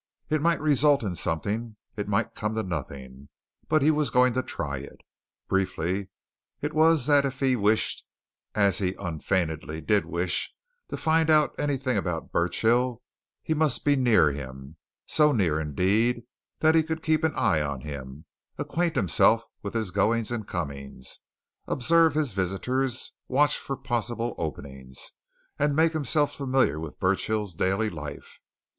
It might result in something; it might come to nothing, but he was going to try it. Briefly, it was that if he wished as he unfeignedly did wish to find out anything about Burchill, he must be near him; so near, indeed, that he could keep an eye on him, acquaint himself with his goings and comings, observe his visitors, watch for possible openings, make himself familiar with Burchill's daily life.